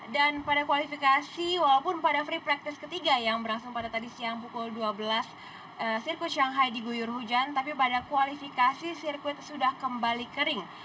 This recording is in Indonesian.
dan pada kualifikasi walaupun pada free practice ketiga yang berlangsung pada tadi siang pukul dua belas sirkuit shanghai diguyur hujan tapi pada kualifikasi sirkuit sudah kembali kering